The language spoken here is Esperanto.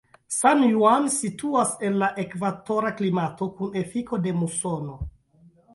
San Juan situas en la ekvatora klimato kun efiko de musono.